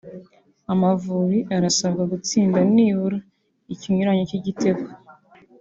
Amavubi arasabwa gutsinda nibura ikinyuranyo cy’igitego